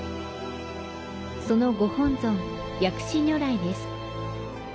そのご本尊、薬師如来です。